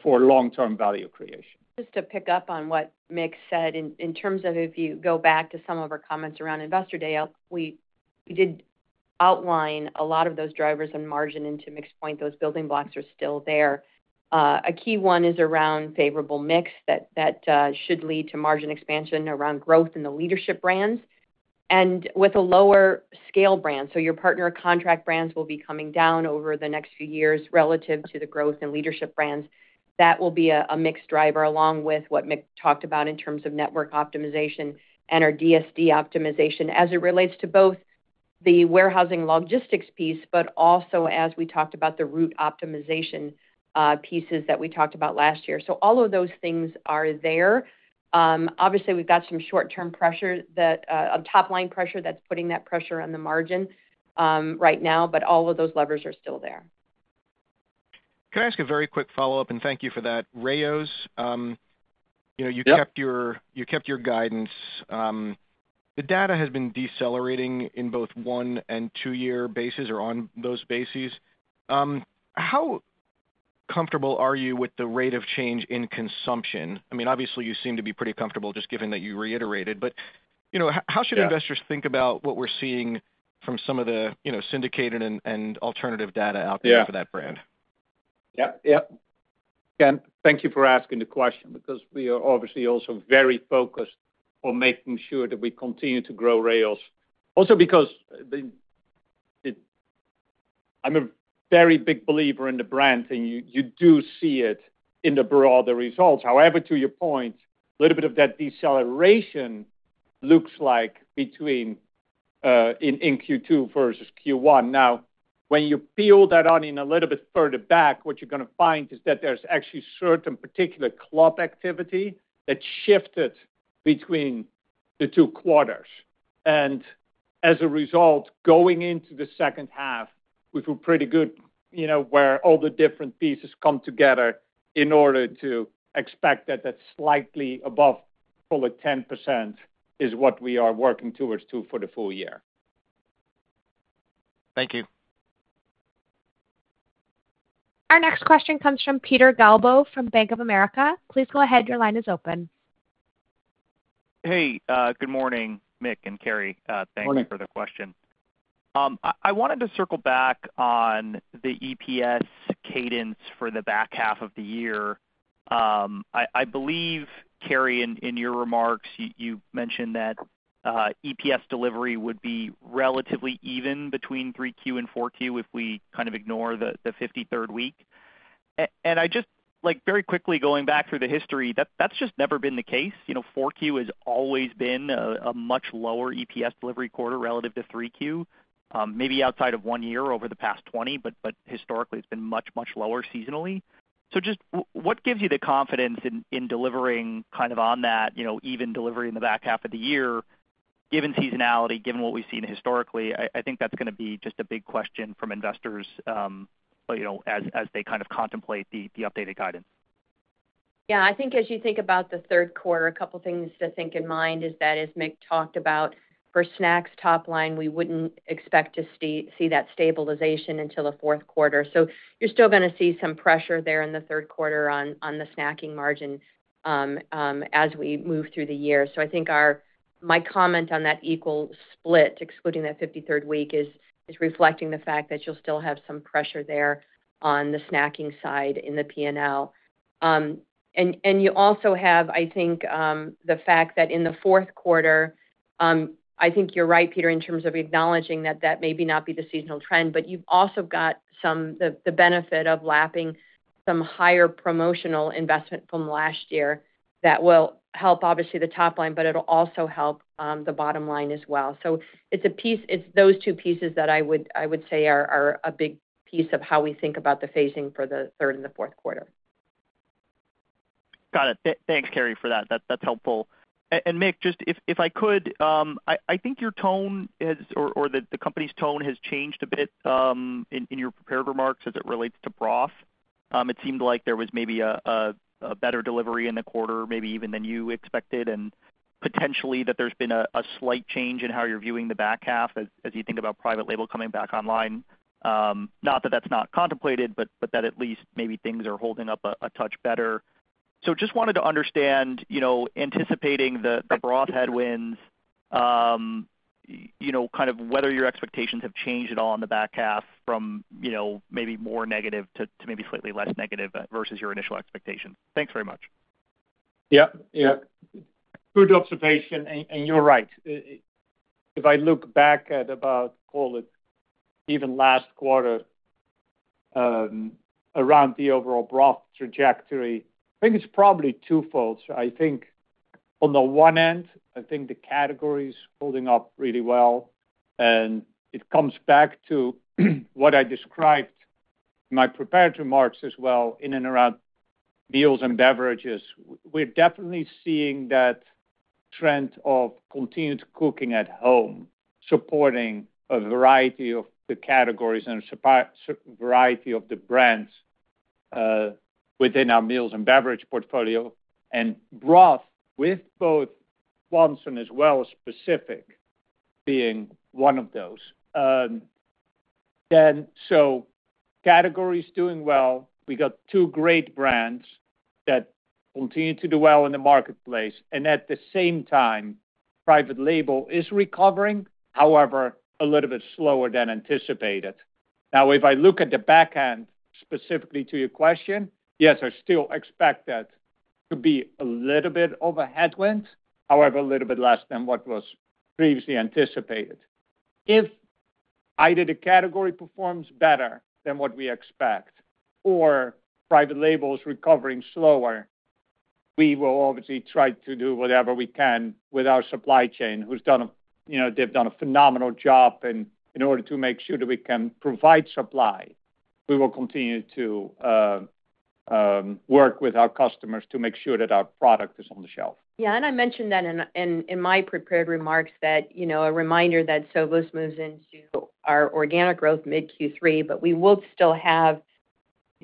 for long-term value creation. Just to pick up on what Mick said, in terms of if you go back to some of our comments around Investor Day, we did outline a lot of those drivers and margin into Mick's point. Those building blocks are still there. A key one is around favorable mix that should lead to margin expansion around growth in the leadership brands and with a lower scale brand. Your partner contract brands will be coming down over the next few years relative to the growth in leadership brands. That will be a mix driver along with what Mick talked about in terms of network optimization and our DSD optimization as it relates to both the warehousing logistics piece, but also as we talked about the route optimization pieces that we talked about last year. So all of those things are there. Obviously, we've got some short-term pressure on top line pressure that's putting that pressure on the margin right now, but all of those levers are still there. Can I ask a very quick follow-up, and thank you for that, Rao's. You kept your guidance. The data has been decelerating in both one- and two-year bases or on those bases. How comfortable are you with the rate of change in consumption? I mean, obviously, you seem to be pretty comfortable just given that you reiterated, but how should investors think about what we're seeing from some of the syndicated and alternative data out there for that brand? Yeah. Yeah. Yeah. Ken, thank you for asking the question because we are obviously also very focused on making sure that we continue to grow Rao's. Also because I'm a very big believer in the brand, and you do see it in the broader results. However, to your point, a little bit of that deceleration looks like between in Q2 versus Q1. Now, when you peel that out in a little bit further back, what you're going to find is that there's actually certain particular club activity that shifted between the two quarters. And as a result, going into the second half, which was pretty good, where all the different pieces come together in order to expect that that's slightly above full at 10% is what we are working towards for the full year. Thank you. Our next question comes from Peter Galbo from Bank of America. Please go ahead. Your line is open. Hey. Good morning, Mick and Carrie. Thank you for the question. I wanted to circle back on the EPS cadence for the back half of the year. I believe, Carrie, in your remarks, you mentioned that EPS delivery would be relatively even between Q3 and Q4 if we kind of ignore the 53rd week. And just very quickly going back through the history, that's just never been the case. Q4 has always been a much lower EPS delivery quarter relative to Q3, maybe outside of one year over the past 20, but historically, it's been much, much lower seasonally. So just what gives you the confidence in delivering kind of on that even delivery in the back half of the year, given seasonality, given what we've seen historically? I think that's going to be just a big question from investors as they kind of contemplate the updated guidance. Yeah. I think as you think about Q3, a couple of things to think in mind is that, as Mick talked about, for snacks top line, we wouldn't expect to see that stabilization until the Q4. So you're still going to see some pressure there in Q3 on the snacking margin as we move through the year. So, I think my comment on that equal split, excluding that 53rd week, is reflecting the fact that you'll still have some pressure there on the snacking side in the P&L. And you also have, I think, the fact that in Q4, I think you're right, Peter, in terms of acknowledging that that may not be the seasonal trend, but you've also got the benefit of lapping some higher promotional investment from last year that will help, obviously, the top line, but it'll also help the bottom line as well. So it's those two pieces that I would say are a big piece of how we think about the phasing for the third and Q4. Got it. Thanks, Carrie, for that. That's helpful. And Mick, just if I could, I think your tone or the company's tone has changed a bit in your prepared remarks as it relates to broth. It seemed like there was maybe a better delivery in the quarter, maybe even than you expected, and potentially that there's been a slight change in how you're viewing the back half as you think about private label coming back online. Not that that's not contemplated, but that at least maybe things are holding up a touch better. So just wanted to understand, anticipating the broth headwinds, kind of whether your expectations have changed at all in the back half from maybe more negative to maybe slightly less negative versus your initial expectations. Thanks very much. Yeah. Yeah. Good observation, and you're right. If I look back at about, call it, even last quarter around the overall broth trajectory, I think it's probably twofold. So I think on the one end, I think the category is holding up really well. And it comes back to what I described in my prepared remarks as well in and around Meals and Beverages. We're definitely seeing that trend of continued cooking at home supporting a variety of the categories and a variety of the brands within our Meals and Beverage portfolio and broth with both Swanson as well as Pacific being one of those. So category is doing well. We got two great brands that continue to do well in the marketplace. And at the same time, private label is recovering, however, a little bit slower than anticipated. Now, if I look at the back end, specifically to your question, yes, I still expect that to be a little bit of a headwind, however, a little bit less than what was previously anticipated. If either the category performs better than what we expect or private label is recovering slower, we will obviously try to do whatever we can with our supply chain, who's done a phenomenal job in order to make sure that we can provide supply. We will continue to work with our customers to make sure that our product is on the shelf. Yeah. And I mentioned that in my prepared remarks that a reminder that Sovos moves into our organic growth mid-Q3, but we will still have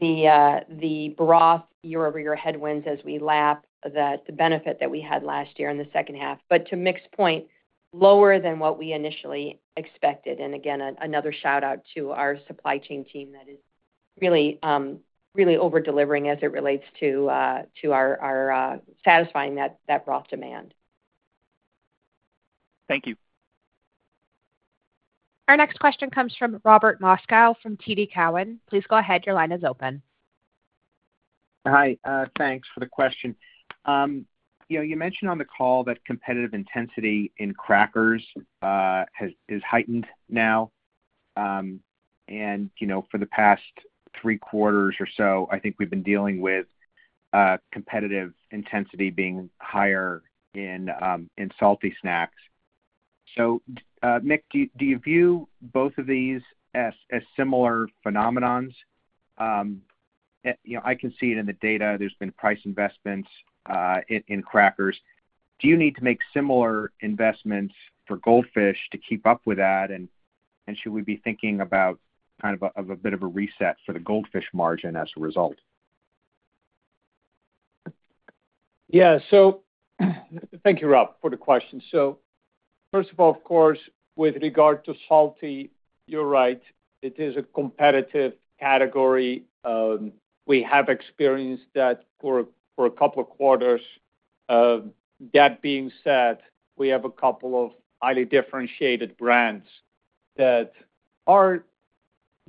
the broth year-over-year headwinds as we lap the benefit that we had last year in the second half. But to Mick's point, lower than what we initially expected. And again, another shout-out to our supply chain team that is really over-delivering as it relates to our satisfying that broth demand. Thank you. Our next question comes from Robert Moskow from TD Cowen. Please go ahead. Your line is open. Hi. Thanks for the question. You mentioned on the call that competitive intensity in crackers is heightened now. And for the past three quarters or so, I think we've been dealing with competitive intensity being higher in salty snacks. So Mick, do you view both of these as similar phenomena? I can see it in the data. There's been price investments in crackers. Do you need to make similar investments for Goldfish to keep up with that? And should we be thinking about kind of a bit of a reset for the Goldfish margin as a result? Yeah. So thank you, Rob, for the question. So first of all, of course, with regard to salty, you're right. It is a competitive category. We have experienced that for a couple of quarters. That being said, we have a couple of highly differentiated brands that are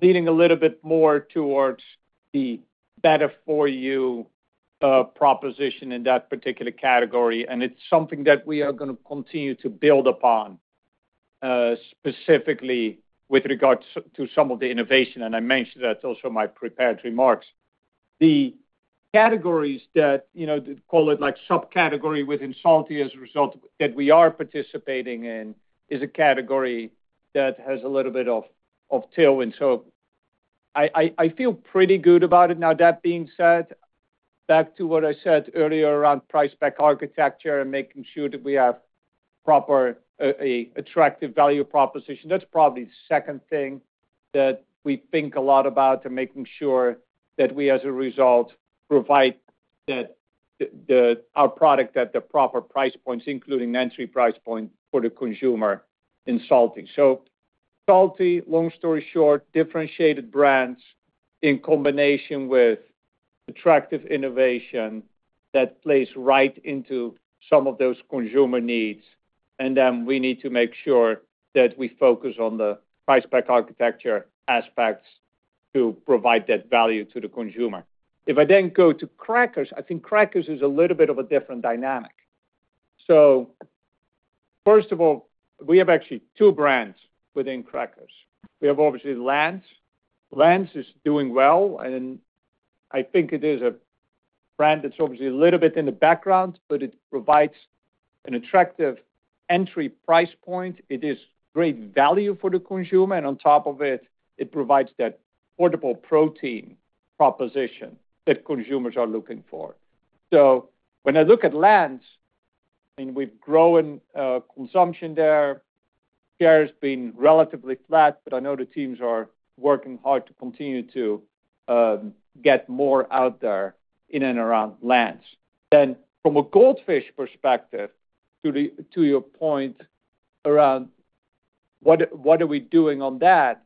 leaning a little bit more towards the better-for-you proposition in that particular category. And it's something that we are going to continue to build upon, specifically with regard to some of the innovation. And I mentioned that's also my prepared remarks. The categories that call it subcategory within salty as a result that we are participating in is a category that has a little bit of tailwind. So I feel pretty good about it. Now, that being said, back to what I said earlier around price-pack architecture and making sure that we have proper attractive value proposition, that's probably the second thing that we think a lot about and making sure that we, as a result, provide our product at the proper price points, including the entry price point for the consumer in salty. So salty, long story short, differentiated brands in combination with attractive innovation that plays right into some of those consumer needs. And then we need to make sure that we focus on the price-pack architecture aspects to provide that value to the consumer. If I then go to crackers, I think crackers is a little bit of a different dynamic. So first of all, we have actually two brands within crackers. We have obviously Lance. Lance is doing well. I think it is a brand that's obviously a little bit in the background, but it provides an attractive entry price point. It is great value for the consumer. On top of it, it provides that portable protein proposition that consumers are looking for. When I look at Lance, I mean, we've grown consumption there. Share has been relatively flat, but I know the teams are working hard to continue to get more out there in and around Lance. From a Goldfish perspective, to your point around what are we doing on that,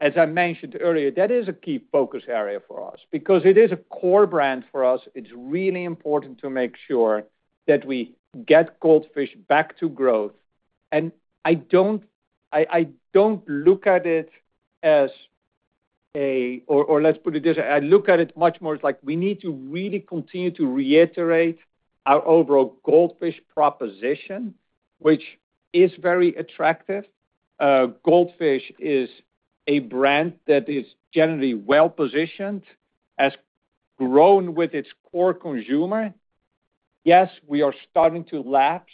as I mentioned earlier, that is a key focus area for us because it is a core brand for us. It's really important to make sure that we get Goldfish back to growth. I don't look at it as a or let's put it this way. I look at it much more as we need to really continue to reiterate our overall Goldfish proposition, which is very attractive. Goldfish is a brand that is generally well-positioned as has grown with its core consumer. Yes, we are starting to lap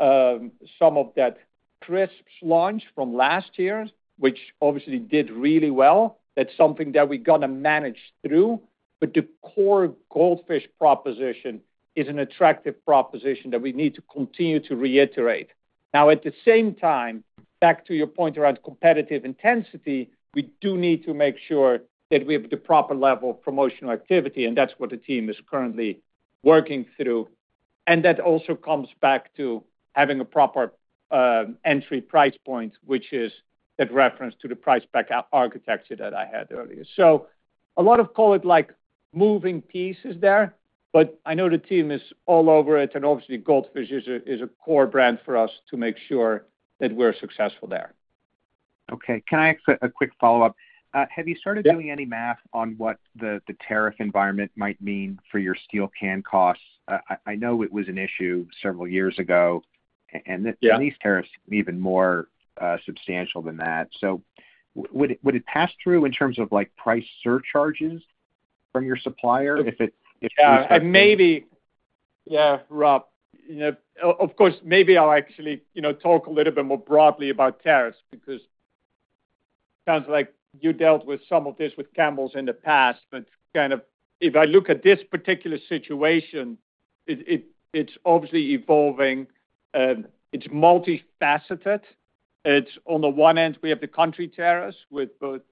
some of that Crisps launch from last year, which obviously did really well. That's something that we're going to manage through. But the core Goldfish proposition is an attractive proposition that we need to continue to reiterate. Now, at the same time, back to your point around competitive intensity, we do need to make sure that we have the proper level of promotional activity, and that's what the team is currently working through, and that also comes back to having a proper entry price point, which is that reference to the price-pack architecture that I had earlier, so a lot of, call it, moving pieces there. But I know the team is all over it. And obviously, Goldfish is a core brand for us to make sure that we're successful there. Okay. Can I ask a quick follow-up? Have you started doing any math on what the tariff environment might mean for your steel can costs? I know it was an issue several years ago. And these tariffs seem even more substantial than that. So would it pass through in terms of price surcharges from your supplier if you start? Yeah. Yeah, Rob. Of course, maybe I'll actually talk a little bit more broadly about tariffs because it sounds like you dealt with some of this with Campbell's in the past. But kind of if I look at this particular situation, it's obviously evolving. It's multifaceted. It's on the one end, we have the country tariffs with both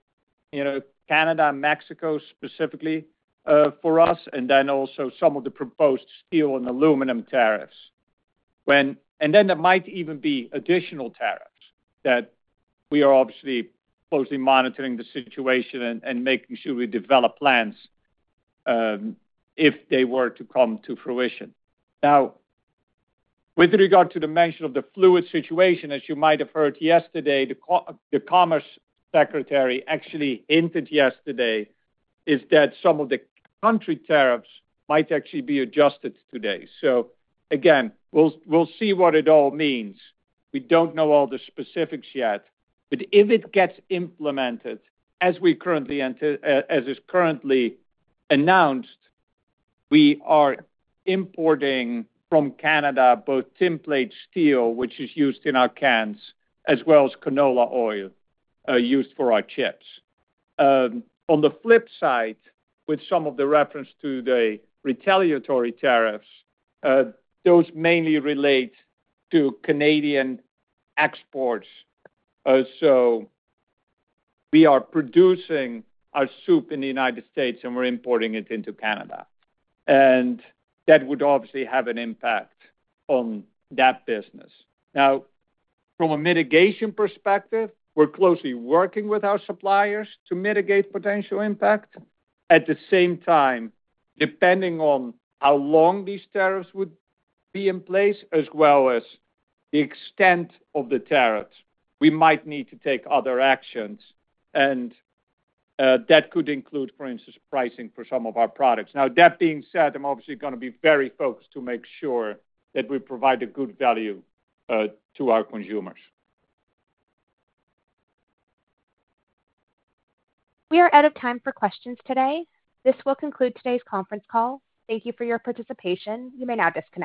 Canada and Mexico specifically for us, and then also some of the proposed steel and aluminum tariffs, and then there might even be additional tariffs that we are obviously closely monitoring the situation and making sure we develop plans if they were to come to fruition. Now, with regard to the mention of the fluid situation, as you might have heard yesterday, the Commerce Secretary actually hinted yesterday that some of the country tariffs might actually be adjusted today, so again, we'll see what it all means. We don't know all the specifics yet, but if it gets implemented, as is currently announced, we are importing from Canada both tinplate steel, which is used in our cans, as well as canola oil used for our chips. On the flip side, with some of the reference to the retaliatory tariffs, those mainly relate to Canadian exports. So we are producing our soup in the United States, and we're importing it into Canada. And that would obviously have an impact on that business. Now, from a mitigation perspective, we're closely working with our suppliers to mitigate potential impact. At the same time, depending on how long these tariffs would be in place, as well as the extent of the tariffs, we might need to take other actions. And that could include, for instance, pricing for some of our products. Now, that being said, I'm obviously going to be very focused to make sure that we provide a good value to our consumers. We are out of time for questions today. This will conclude today's conference call. Thank you for your participation. You may now disconnect.